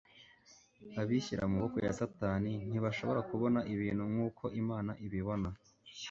Abishyira mu maboko ya Satani ntibashobora kubona ibintu nkuko Imana ibibona